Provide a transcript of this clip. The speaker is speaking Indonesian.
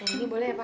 ini boleh ya pak